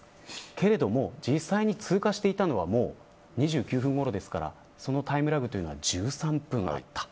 けれども実際に通過していたのは２９分ごろですからそのタイムラグは１３分あった。